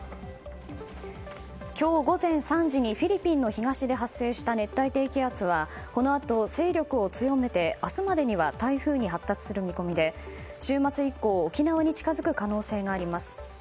今日午前３時にフィリピンの東で発生した熱帯低気圧はこのあと勢力を強めて明日までには台風に発達する見込みで週末以降、沖縄に近づく可能性があります。